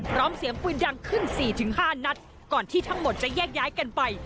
พร้อมเสียงปืนดังขึ้น๔๕นัดก่อนที่ทั้งหมดจะแยกย้ายกันไป